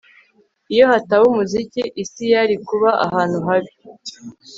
Iyo hataba umuziki isi yari kuba ahantu habi